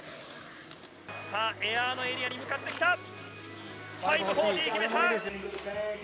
エアのエリアに向かってきた！